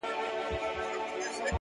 قاضي صاحبه ملامت نه یم بچي وږي وه _